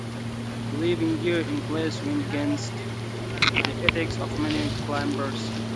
Leaving gear in place went against the ethics of many climbers.